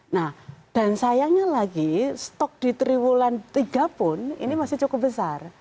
nah dan sayangnya lagi stok di triwulan tiga pun ini masih cukup besar